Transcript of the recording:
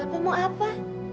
bapak mau apa